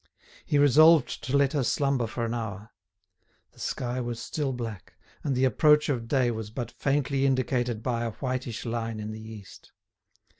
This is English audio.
He resolved to let her slumber for an hour. The sky was still black, and the approach of day was but faintly indicated by a whitish line in the east.